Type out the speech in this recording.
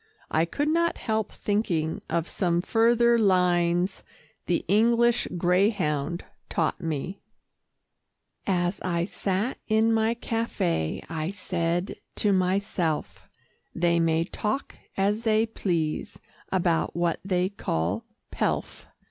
I could not help thinking of some further lines the English greyhound taught me "As I sat in my café, I said to myself, They may talk as they please about what they call pelf.